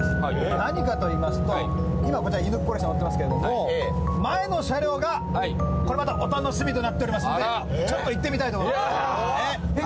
何かといいますと、今、こちら、犬っこ列車乗ってますけど、前の車両が、これまたお楽しみとなっておりますんで、ちょっと行ってみたいと思います。